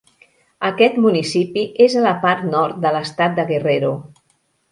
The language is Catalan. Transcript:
Aquest municipi és a la part nord de l'estat de Guerrero.